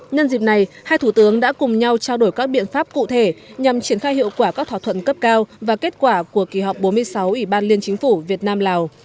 nhân dịp này hai thủ tướng đã cùng nhau trao đổi các biện pháp cụ thể nhằm triển khai hiệu quả các thỏa thuận cấp cao và kết quả của kỳ họp bốn mươi sáu ủy ban liên chính phủ việt nam lào